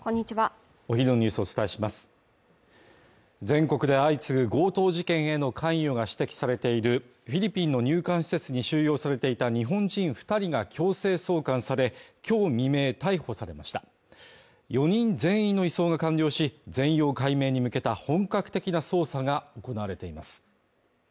お昼のニュースをお伝えします全国で相次ぐ強盗事件への関与が指摘されているフィリピンの入管施設に収容されていた日本人二人が強制送還されきょう未明逮捕されました４人全員の移送が完了し全容を解明に向けた本格的な捜査が行われています